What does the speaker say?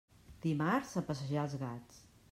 Dimarts, a passejar els gats.